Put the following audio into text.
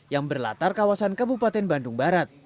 yang berlatar kawasan kabupaten bandung barat